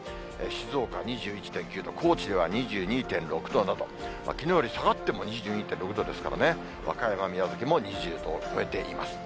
静岡２１．９度、高知では２２．６度など、きのうより下がっても２２．６度ですからね、和歌山、宮崎も２０度を超えています。